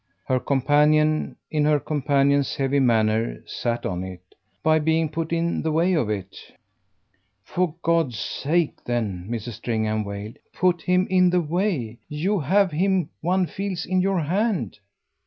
Her companion, in her companion's heavy manner, sat on it. "By being put in the way of it." "For God's sake then," Mrs. Stringham wailed, "PUT him in the way! You have him, one feels, in your hand."